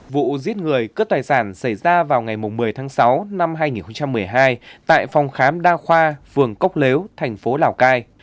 vụ giết người cướp tài sản xảy ra vào ngày một mươi tháng sáu năm hai nghìn một mươi hai tại phòng khám đa khoa phường cốc lếu thành phố lào cai